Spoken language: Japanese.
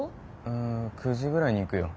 うん９時ぐらいに行くよ。